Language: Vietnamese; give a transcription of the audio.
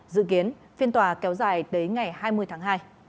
dự kiến phiên tòa kéo dài đến ngày hai mươi tháng hai